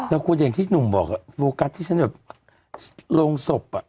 แล้วคุณเห็นที่หนุ่มบอกโฟกัสที่ฉันแบบลงศพ